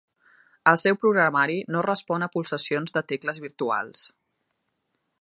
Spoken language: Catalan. El seu programari no respon a pulsacions de tecles virtuals.